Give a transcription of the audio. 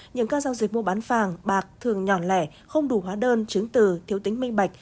nhưng các giao dịch mua bán vàng bạc thường nhỏ lẻ không đủ hóa đơn chứng từ thiếu tính minh bạch